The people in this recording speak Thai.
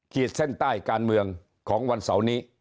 ขีดเส้นใต้การเมืองของวันเสาร์นี้